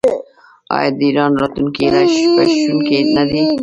آیا د ایران راتلونکی هیله بښونکی نه دی؟